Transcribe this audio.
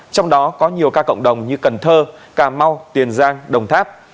trong đó có nhiều ca cộng đồng như cần thơ cà mau tiền giang đồng tháp